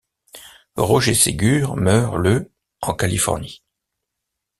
Roger Segure meurt le en Californie.